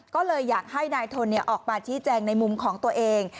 ก็เลยอยากให้นายทนออกมาชี้แจงในมุมของตัวเอง